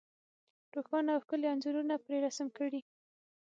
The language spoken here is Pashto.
روښانه او ښکلي انځورونه پرې رسم کړي.